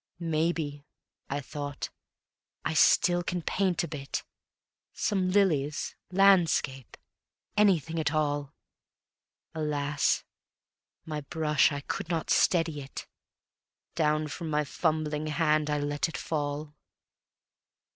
"Maybe," I thought, "I still can paint a bit, Some lilies, landscape, anything at all." Alas! My brush, I could not steady it. Down from my fumbling hand I let it fall.